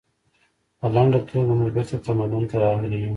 په لنډه توګه موږ بیرته تمدن ته راغلي یو